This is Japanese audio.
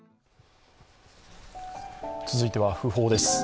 続いては訃報です。